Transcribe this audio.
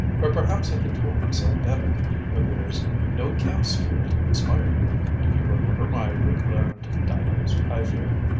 But perhaps I control myself better when there's no camp stool to inspire me. You remember my woodland didoes I fear?"